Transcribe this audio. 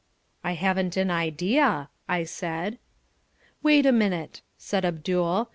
"I haven't an idea," I said. "Wait a minute," said Abdul.